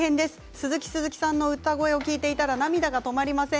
鈴木鈴木さんの歌声を聴いていたら涙が止まりません。